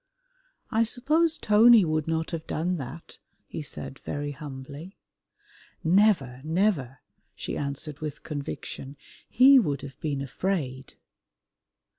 "I suppose Tony would not have done that?" he said very humbly. "Never, never!" she answered with conviction, "he would have been afraid."